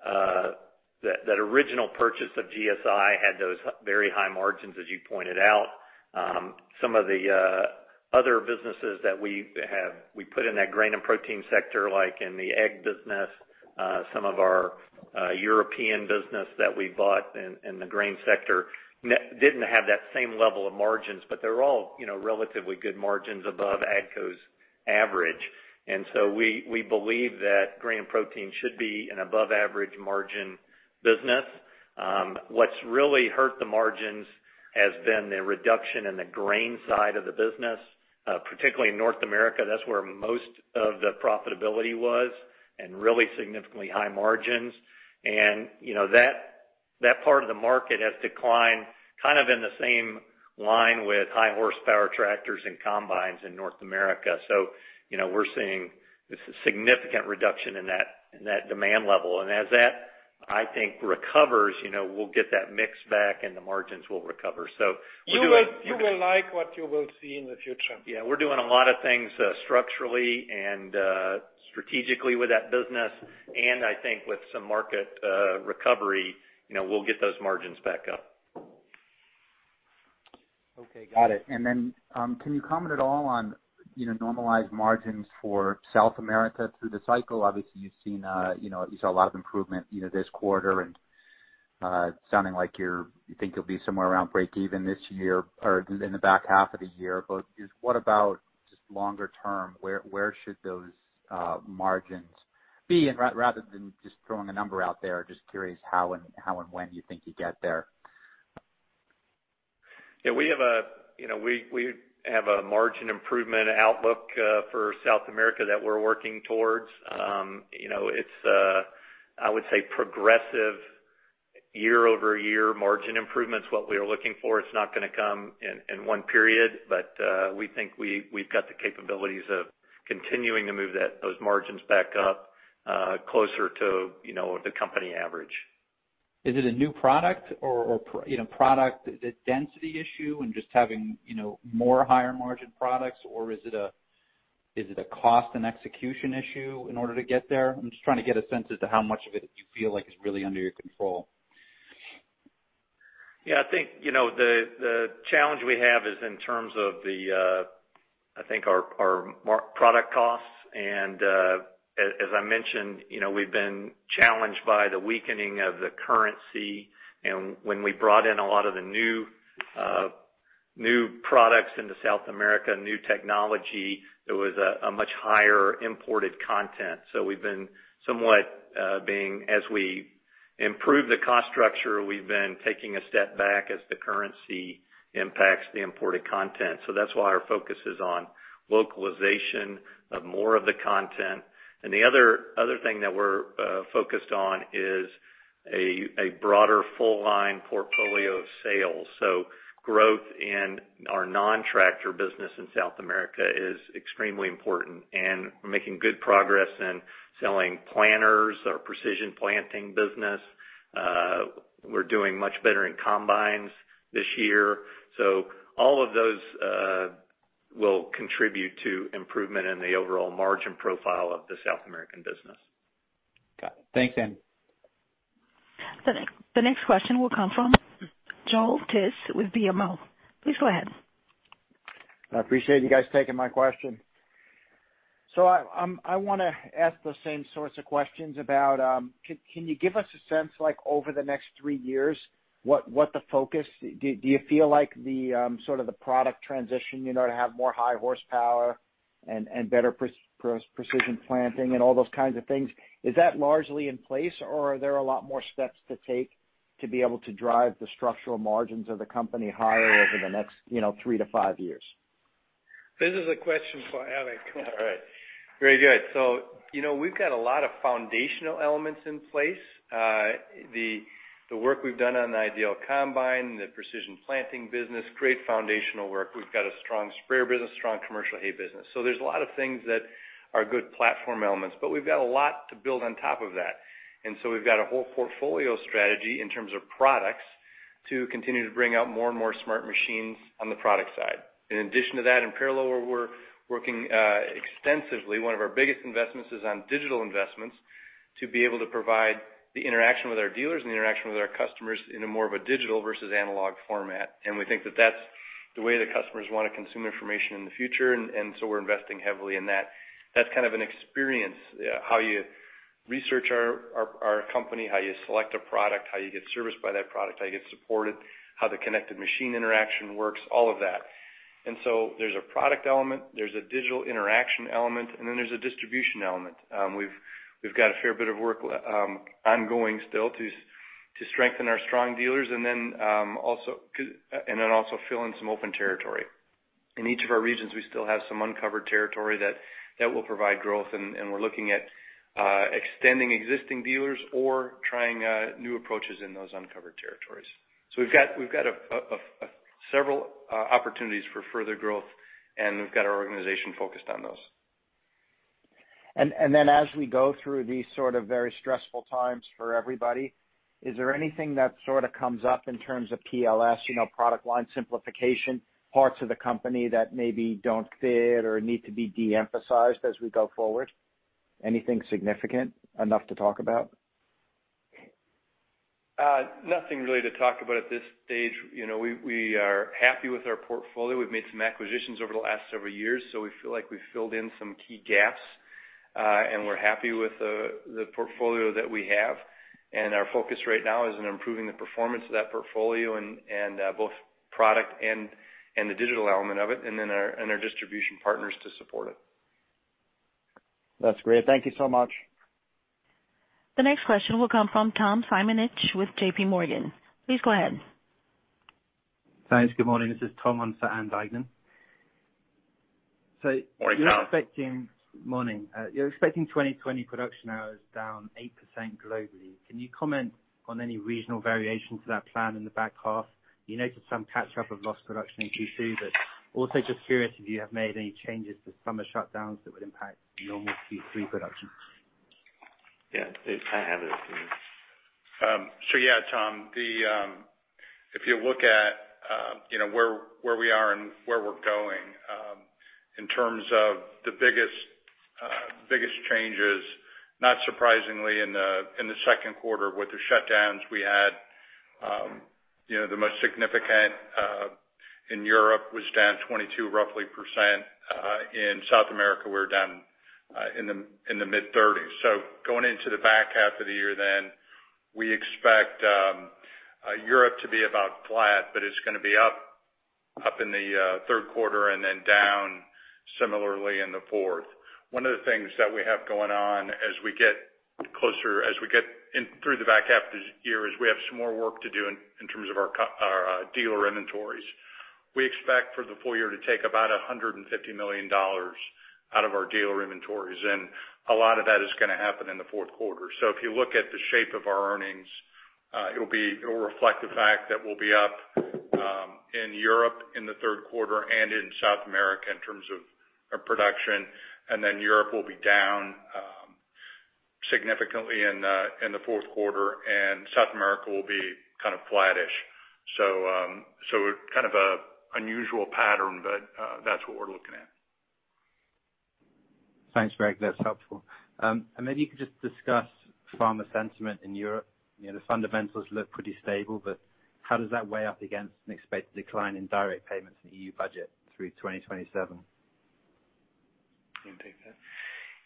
That original purchase of GSI had those very high margins, as you pointed out. Some of the other businesses that we have put in that grain and protein sector, like in the egg business, some of our European business that we bought in the grain sector, didn't have that same level of margins, but they're all relatively good margins above AGCO's average. We believe that grain and protein should be an above-average margin business. What's really hurt the margins has been the reduction in the grain side of the business, particularly in North America. That's where most of the profitability was and really significantly high margins. That part of the market has declined kind of in the same line with high horsepower tractors and combines in North America. We're seeing a significant reduction in that demand level. As that, I think, recovers, we'll get that mix back, and the margins will recover. we're doing- You will like what you will see in the future. Yeah, we're doing a lot of things structurally and strategically with that business. I think with some market recovery, we'll get those margins back up. Okay, got it. Can you comment at all on normalized margins for South America through the cycle? Obviously, you saw a lot of improvement this quarter and sounding like you think you'll be somewhere around breakeven this year or in the back half of the year. What about just longer term? Where should those margins be? Rather than just throwing a number out there, just curious how and when you think you get there. Yeah, we have a margin improvement outlook for South America that we're working towards. It's, I would say progressive year-over-year margin improvements, what we are looking for. It's not going to come in one period, but we think we've got the capabilities of continuing to move those margins back up closer to the company average. Is it a new product or is it a density issue and just having more higher margin products? Is it a cost and execution issue in order to get there? I'm just trying to get a sense as to how much of it you feel like is really under your control. Yeah, I think the challenge we have is in terms of our product costs. As I mentioned, we've been challenged by the weakening of the currency. When we brought in a lot of the new products into South America, new technology, there was a much higher imported content. We've been somewhat being, as we improve the cost structure, we've been taking a step back as the currency impacts the imported content. That's why our focus is on localization of more of the content. The other thing that we're focused on is a broader full line portfolio of sales. Growth in our non-tractor business in South America is extremely important, and we're making good progress in selling planters, our Precision Planting business. We're doing much better in combines this year. All of those will contribute to improvement in the overall margin profile of the South American business. Got it. Thanks, Andy. The next question will come from Joel Tiss with BMO. Please go ahead. I appreciate you guys taking my question. I want to ask the same sorts of questions about can you give us a sense, like over the next three years, do you feel like the sort of the product transition to have more high horsepower and better Precision Planting and all those kinds of things, is that largely in place or are there a lot more steps to take to be able to drive the structural margins of the company higher over the next three-five years? This is a question for Eric. All right. Very good. We've got a lot of foundational elements in place. The work we've done on the IDEAL combine, the Precision Planting business, great foundational work. We've got a strong sprayer business, strong commercial hay business. There's a lot of things that are good platform elements, but we've got a lot to build on top of that. We've got a whole portfolio strategy in terms of products to continue to bring out more and more smart machines on the product side. In addition to that, in parallel, we're working extensively. One of our biggest investments is on digital investments to be able to provide the interaction with our dealers and the interaction with our customers in a more of a digital versus analog format. We think that that's The way that customers want to consume information in the future, and so we're investing heavily in that. That's kind of an experience, how you research our company, how you select a product, how you get serviced by that product, how you get supported, how the connected machine interaction works, all of that. There's a product element, there's a digital interaction element, and then there's a distribution element. We've got a fair bit of work ongoing still to strengthen our strong dealers and then also fill in some open territory. In each of our regions, we still have some uncovered territory that will provide growth, and we're looking at extending existing dealers or trying new approaches in those uncovered territories. We've got several opportunities for further growth, and we've got our organization focused on those. As we go through these sort of very stressful times for everybody, is there anything that sort of comes up in terms of PLS, product line simplification, parts of the company that maybe don't fit or need to be de-emphasized as we go forward? Anything significant enough to talk about? Nothing really to talk about at this stage. We are happy with our portfolio. We've made some acquisitions over the last several years, so we feel like we've filled in some key gaps, and we're happy with the portfolio that we have. Our focus right now is on improving the performance of that portfolio and both product and the digital element of it, and our distribution partners to support it. That's great. Thank you so much. The next question will come from Tom Simonitsch with JPMorgan. Please go ahead. Thanks. Good morning. This is Tom on for Ann Duignan. Morning, Tom. Morning. You're expecting 2020 production hours down 8% globally. Can you comment on any regional variations to that plan in the back half? You noted some catch up of lost production in Q2, also just curious if you have made any changes to summer shutdowns that would impact normal Q3 production. I have it. Tom, if you look at where we are and where we're going, in terms of the biggest changes, not surprisingly in the second quarter with the shutdowns we had, the most significant in Europe was down 22%, roughly. In South America, we were down in the mid-30s. Going into the back half of the year then, we expect Europe to be about flat, but it's going to be up in the third quarter and then down similarly in the fourth. One of the things that we have going on as we get through the back half of this year is we have some more work to do in terms of our dealer inventories. We expect for the full year to take about $150 million out of our dealer inventories, and a lot of that is going to happen in the fourth quarter. If you look at the shape of our earnings, it will reflect the fact that we'll be up in Europe in the third quarter and in South America in terms of production. Then Europe will be down significantly in the fourth quarter, and South America will be kind of flattish. Kind of an unusual pattern, but that's what we're looking at. Thanks, Greg. That's helpful. Maybe you could just discuss farmer sentiment in Europe. The fundamentals look pretty stable, but how does that weigh up against an expected decline in direct payments in the EU budget through 2027? You can take that.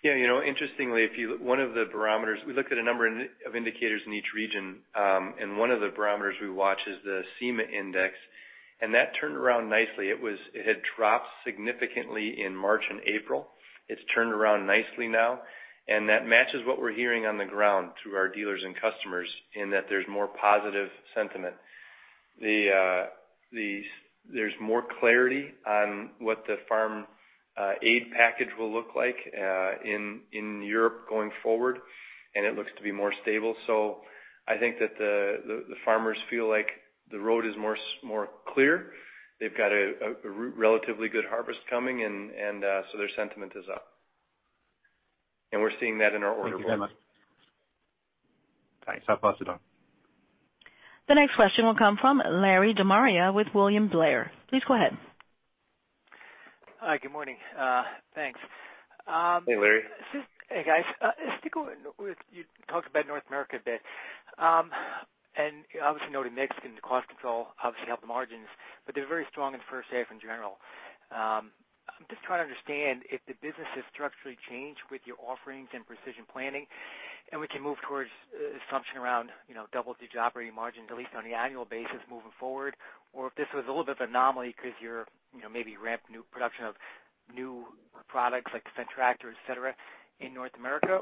Yeah, interestingly, we looked at a number of indicators in each region, and one of the barometers we watch is the CEMA Index, and that turned around nicely. It had dropped significantly in March and April. It's turned around nicely now, and that matches what we're hearing on the ground through our dealers and customers in that there's more positive sentiment. There's more clarity on what the farm aid package will look like in Europe going forward, and it looks to be more stable. I think that the farmers feel like the road is more clear. They've got a relatively good harvest coming, and so their sentiment is up. We're seeing that in our order book. Thank you very much. Thanks. I'll pass it on. The next question will come from Larry De Maria with William Blair. Please go ahead. Hi. Good morning. Thanks. Hey, Larry. Hey, guys. You talked about North America a bit. obviously, noted mix and cost control obviously help the margins, but they're very strong in the first half in general. I'm just trying to understand if the business has structurally changed with your offerings and Precision Planting, and we can move towards assumption around double-digit operating margins, at least on the annual basis moving forward, or if this was a little bit of anomaly because you're maybe ramped new production of new products like the Fendt tractor, et cetera, in North America.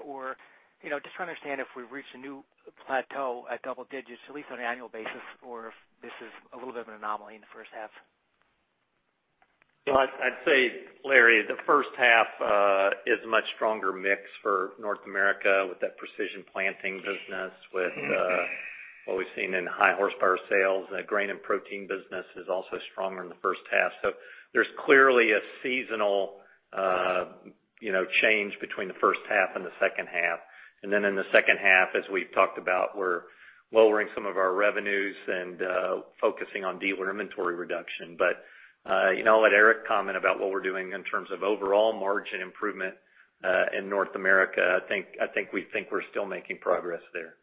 just trying to understand if we've reached a new plateau at double digits, at least on an annual basis, or if this is a little bit of an anomaly in the first half. I'd say, Larry, the first half is much stronger mix for North America with that Precision Planting business, with what we've seen in high horsepower sales. The grain and protein business is also stronger in the first half. There's clearly a seasonal change between the first half and the second half. In the second half, as we've talked about, we're lowering some of our revenues and focusing on dealer inventory reduction. I'll let Eric comment about what we're doing in terms of overall margin improvement in North America. I think we think we're still making progress there.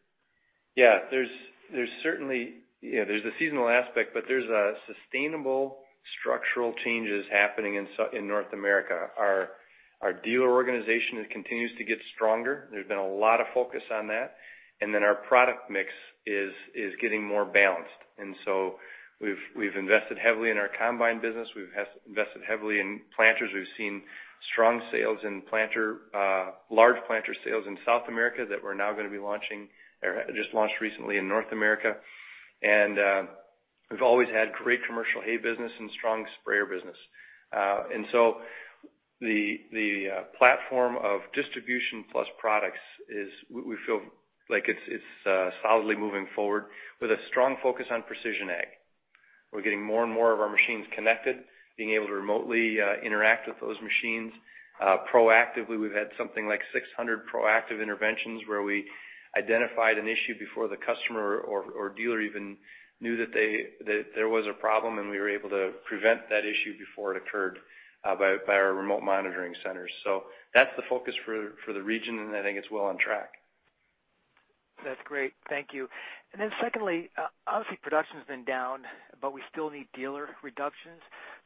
Yeah, there's the seasonal aspect, but there's sustainable structural changes happening in North America. Our dealer organization continues to get stronger. There's been a lot of focus on that. our product mix is getting more balanced. we've invested heavily in our combine business. We've invested heavily in planters. We've seen strong sales in planter, large planter sales in South America that we're now going to be launching, or just launched recently in North America. we've always had great commercial hay business and strong sprayer business. the platform of distribution plus products is, we feel like it's solidly moving forward with a strong focus on precision ag. We're getting more and more of our machines connected, being able to remotely interact with those machines. Proactively, we've had something like 600 proactive interventions where we identified an issue before the customer or dealer even knew that there was a problem, and we were able to prevent that issue before it occurred by our remote monitoring centers. That's the focus for the region, and I think it's well on track. That's great. Thank you. secondly, obviously production's been down, but we still need dealer reductions.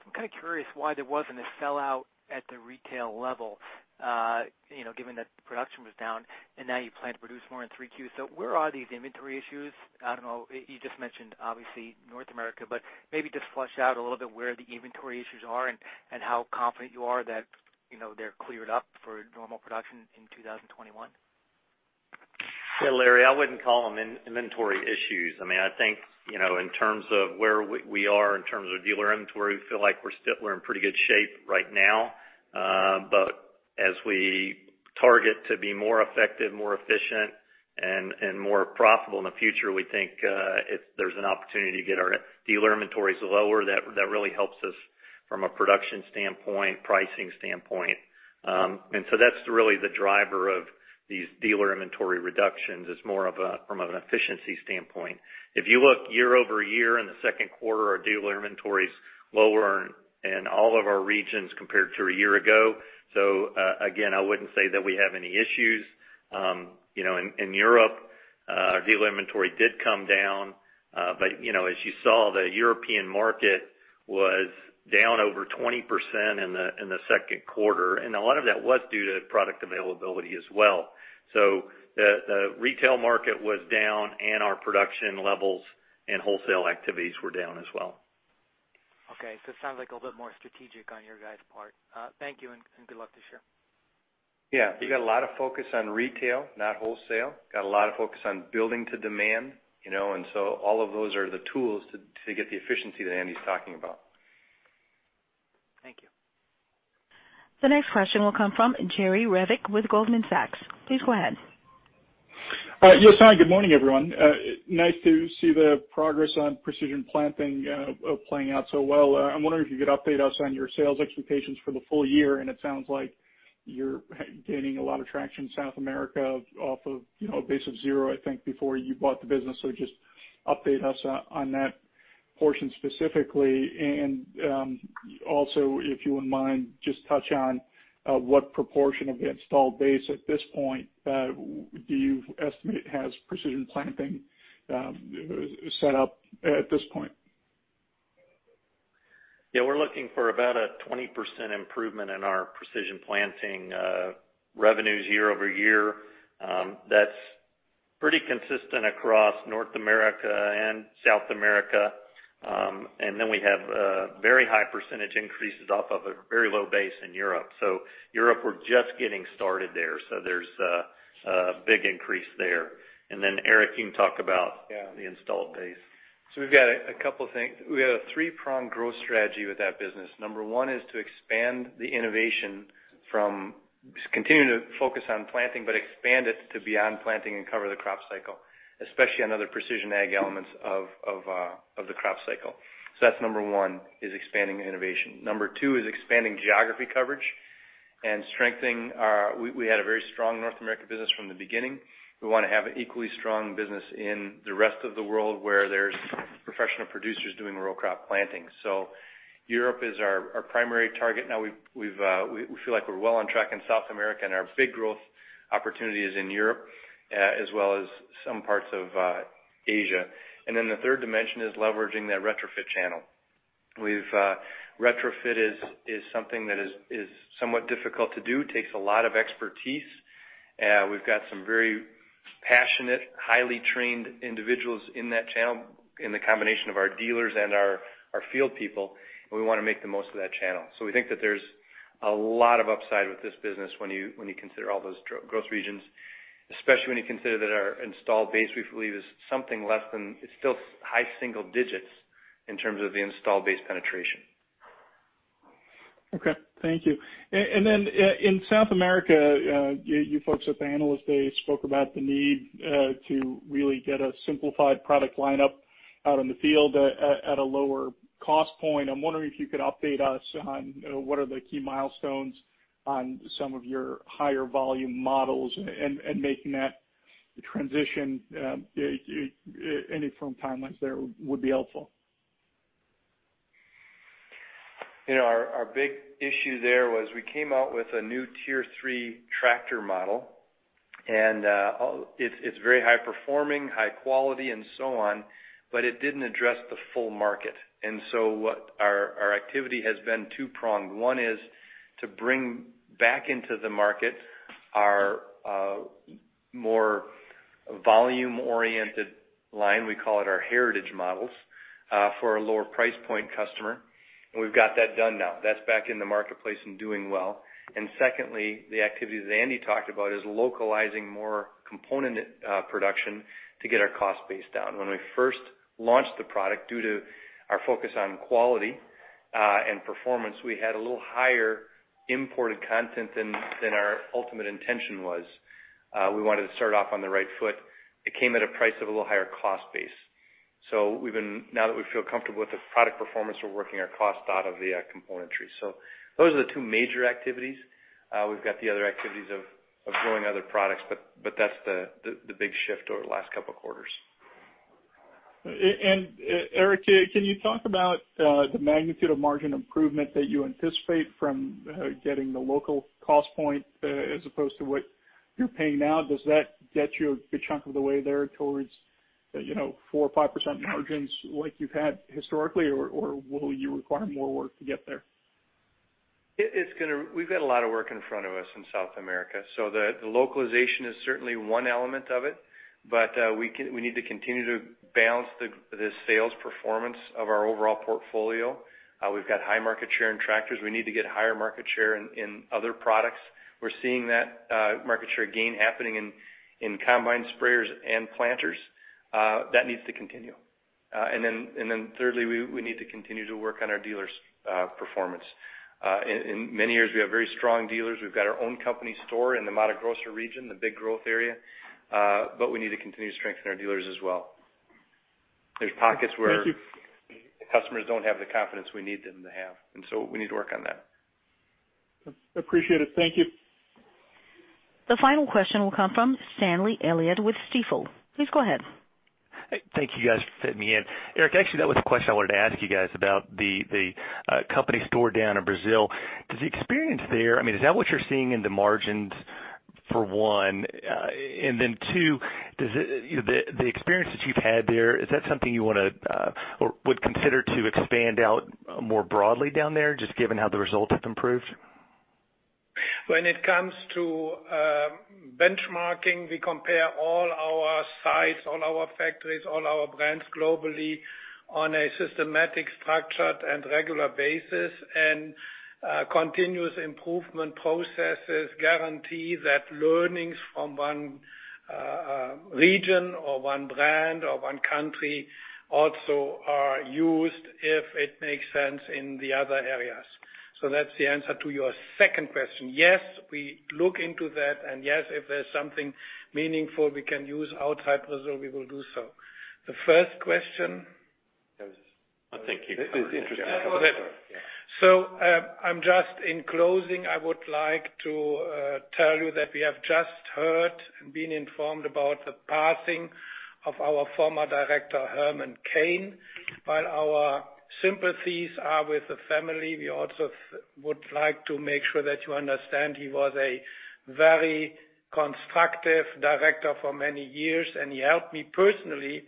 I'm kind of curious why there wasn't a sellout at the retail level, given that the production was down and now you plan to produce more in 3Q. where are these inventory issues? I don't know, you just mentioned, obviously, North America, but maybe just flesh out a little bit where the inventory issues are and how confident you are that they're cleared up for normal production in 2021. Yeah, Larry, I wouldn't call them inventory issues. I think in terms of where we are in terms of dealer inventory, we feel like we're still in pretty good shape right now. as we target to be more effective, more efficient, and more profitable in the future, we think if there's an opportunity to get our dealer inventories lower that really helps us from a production standpoint, pricing standpoint. that's really the driver of these dealer inventory reductions is more from an efficiency standpoint. If you look year-over-year in the second quarter, our dealer inventory is lower in all of our regions compared to a year ago. again, I wouldn't say that we have any issues. In Europe, our dealer inventory did come down. As you saw, the European market was down over 20% in the second quarter, and a lot of that was due to product availability as well. The retail market was down, and our production levels and wholesale activities were down as well. Okay. It sounds like a little bit more strategic on your guys' part. Thank you, and good luck this year. Yeah. We got a lot of focus on retail, not wholesale. Got a lot of focus on building to demand. All of those are the tools to get the efficiency that Andy's talking about. Thank you. The next question will come from Jerry Revich with Goldman Sachs. Please go ahead. Yes. Hi, good morning, everyone. Nice to see the progress on Precision Planting playing out so well. I'm wondering if you could update us on your sales expectations for the full year, and it sounds like you're gaining a lot of traction South America off of a base of zero, I think, before you bought the business. Just update us on that portion specifically. Also, if you wouldn't mind, just touch on what proportion of the installed base at this point do you estimate has Precision Planting set up at this point? Yeah, we're looking for about a 20% improvement in our Precision Planting revenues year-over-year. That's pretty consistent across North America and South America. We have very high percentage increases off of a very low base in Europe. Europe, we're just getting started there. There's a big increase there. Eric, you can talk about- Yeah the installed base. We've got a couple things. We have a three-pronged growth strategy with that business. Number one is to expand the innovation from continuing to focus on planting, but expand it to beyond planting and cover the crop cycle, especially on other precision ag elements of the crop cycle. That's number one is expanding the innovation. Number two is expanding geography coverage. We had a very strong North American business from the beginning. We want to have an equally strong business in the rest of the world where there's professional producers doing row crop planting. Europe is our primary target now. We feel like we're well on track in South America, and our big growth opportunity is in Europe, as well as some parts of Asia. The third dimension is leveraging that retrofit channel. Retrofit is something that is somewhat difficult to do, takes a lot of expertise. We've got some very passionate, highly trained individuals in that channel in the combination of our dealers and our field people, and we want to make the most of that channel. We think that there's a lot of upside with this business when you consider all those growth regions, especially when you consider that our installed base, we believe, is something less than, it's still high single digits in terms of the install base penetration. Okay. Thank you. In South America, you folks at the Analyst Day spoke about the need to really get a simplified product lineup out in the field at a lower cost point. I'm wondering if you could update us on what are the key milestones on some of your higher volume models and making that transition. Any firm timelines there would be helpful. Our big issue there was we came out with a new Tier 3 tractor model, and it's very high-performing, high quality, and so on, but it didn't address the full market. What our activity has been two-pronged. One is to bring back into the market our more volume-oriented line, we call it our heritage models, for a lower price point customer. We've got that done now. That's back in the marketplace and doing well. secondly, the activity that Andy talked about is localizing more component production to get our cost base down. When we first launched the product, due to our focus on quality and performance, we had a little higher imported content than our ultimate intention was. We wanted to start off on the right foot. It came at a price of a little higher cost base. Now that we feel comfortable with the product performance, we're working our cost out of the componentry. Those are the two major activities. We've got the other activities of growing other products, but that's the big shift over the last couple of quarters. Eric, can you talk about the magnitude of margin improvement that you anticipate from getting the local cost point as opposed to what you're paying now? Does that get you a good chunk of the way there towards 4% or 5% margins like you've had historically, or will you require more work to get there? We've got a lot of work in front of us in South America, so the localization is certainly one element of it. We need to continue to balance the sales performance of our overall portfolio. We've got high market share in tractors. We need to get higher market share in other products. We're seeing that market share gain happening in combine sprayers and planters. That needs to continue. Thirdly, we need to continue to work on our dealers' performance. In many areas, we have very strong dealers. We've got our own company store in the Mato Grosso region, the big growth area. We need to continue to strengthen our dealers as well. There's pockets where- Thank you Customers don't have the confidence we need them to have, and so we need to work on that. Appreciate it. Thank you. The final question will come from Stanley Elliott with Stifel. Please go ahead. Thank you, guys, for fitting me in. Eric, actually, that was a question I wanted to ask you guys about the company store down in Brazil. Does the experience there, is that what you're seeing in the margins, for one? two, the experience that you've had there, is that something you would consider to expand out more broadly down there, just given how the results have improved? When it comes to benchmarking, we compare all our sites, all our factories, all our brands globally on a systematic, structured, and regular basis. Continuous improvement processes guarantee that learnings from one region or one brand or one country also are used if it makes sense in the other areas. That's the answer to your second question. Yes, we look into that, and yes, if there's something meaningful we can use outside Brazil, we will do so. The first question? Thank you. It's interesting. just in closing, I would like to tell you that we have just heard and been informed about the passing of our former director, Herman Cain. While our sympathies are with the family, we also would like to make sure that you understand he was a very constructive director for many years, and he helped me personally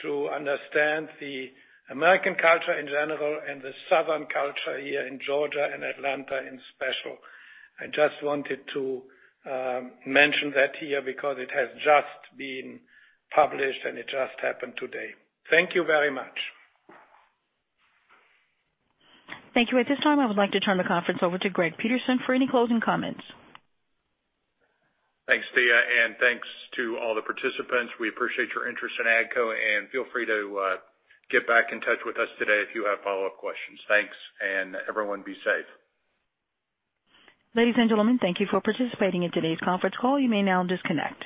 to understand the American culture in general and the Southern culture here in Georgia and Atlanta in special. I just wanted to mention that here because it has just been published and it just happened today. Thank you very much. Thank you. At this time, I would like to turn the conference over to Greg Peterson for any closing comments. Thanks, Thea, and thanks to all the participants. We appreciate your interest in AGCO, and feel free to get back in touch with us today if you have follow-up questions. Thanks, and everyone be safe. Ladies and gentlemen, thank you for participating in today's conference call. You may now disconnect.